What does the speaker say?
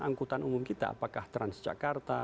angkutan umum kita apakah transjakarta